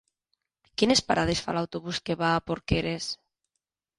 Quines parades fa l'autobús que va a Porqueres?